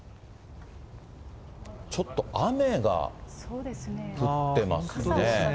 ちょっと雨が降ってますね。